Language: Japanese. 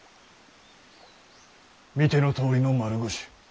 見てのとおりの丸腰。